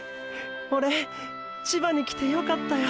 オレ千葉にきてよかったよ。